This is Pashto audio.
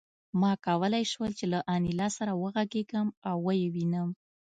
ما کولای شول چې له انیلا سره وغږېږم او ویې وینم